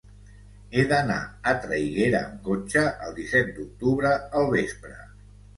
He d'anar a Traiguera amb cotxe el disset d'octubre al vespre.